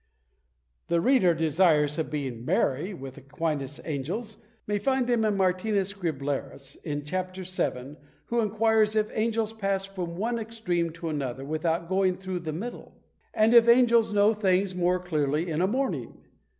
The reader desirous of being merry with Aquinas's angels may find them in Martinus Scriblerus, in Ch. VII. who inquires if angels pass from one extreme to another without going through the middle? And if angels know things more clearly in a morning?